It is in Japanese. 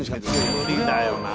無理だよなぁ。